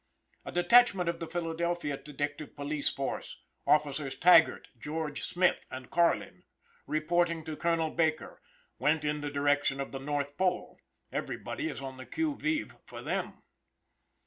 A detachment of the Philadelphia detective police, force Officers Taggert, George Smith, and Carlin, reporting to Colonel Baker went in the direction of the North Pole; everybody is on the que vive for them.